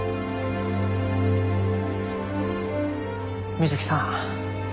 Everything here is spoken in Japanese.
水木さん。